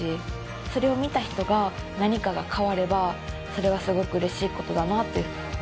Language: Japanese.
それを見た人が何かが変わればそれはすごくうれしいことだなって。